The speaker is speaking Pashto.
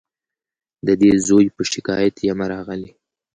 د دې زوی په شکایت یمه راغلې